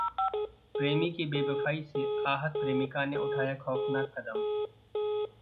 प्रेमी की बेवफाई से आहत प्रेमिका ने उठाया खौफनाक कदम